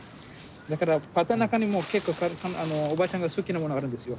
だからバターの中にも結構おばちゃんが好きなものがあるんですよ。